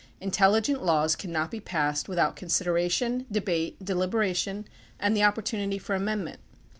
Intelligent laws cannot be passed without consideration, debate, deliberation, and the opportunity for amendment.